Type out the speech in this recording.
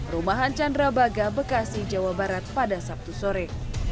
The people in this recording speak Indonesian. rumahan candrabaga bekasi jawa barat pada sabtu sore